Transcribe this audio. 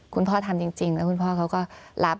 คุณพ่อทำจริงแล้วคุณพ่อเขาก็รับ